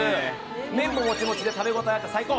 麺もモチモチで食べ応えがあって最高。